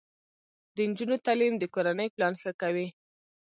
د نجونو تعلیم د کورنۍ پلان ښه کوي.